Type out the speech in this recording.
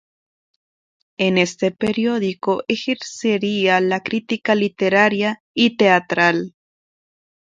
En este periódico ejercería la crítica literaria y teatral.